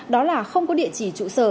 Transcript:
đó là không có địa chỉ trụ sở